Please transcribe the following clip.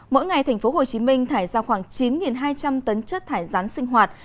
mỗi ngày thành phố hồ chí minh thải ra khoảng chín hai trăm linh tấn chất thải rán sinh hoạt